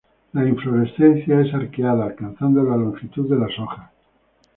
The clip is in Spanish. La inflorescencia es arqueada, alcanzando la longitud de las hojas.